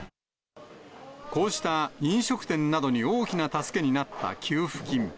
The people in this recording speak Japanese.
こうした飲食店などに大きな助けになった給付金。